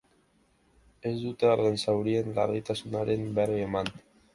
Ez dute horren zaurien larritasunaren berri eman.